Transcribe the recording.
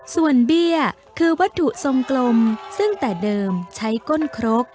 ส่วนเบี้ยคือวัตถุทรงกลมซึ่งแต่เดิมใช้ก้นครก